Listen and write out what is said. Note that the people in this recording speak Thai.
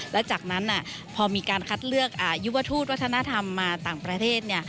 และจากนั้นพอมีการคัดเลือกยุวทูตวัฒนธรรมมาต่างประเทศ